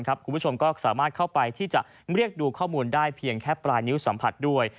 คุณผู้ชมจะสามารถเข้าไปเรียกดูข้อมูลได้แค่ปลายนิ้วสัมผัสด้วย